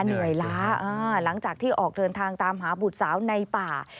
เหนื่อยล้าหลังจากที่ออกเดินทางตามหาบุตรสาวในป่า